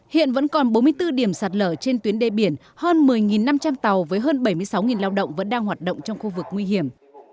hiện vẫn còn bốn mươi bốn điểm sạt lở trên tuyến đê biển hơn một mươi năm trăm linh tàu với hơn bảy mươi sáu lao động vẫn đang hoạt động trong khu vực nguy hiểm